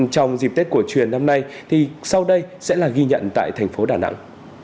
trong dịp tết cổ truyền năm nay thì sau đây sẽ là ghi nhận tại thành phố đà nẵng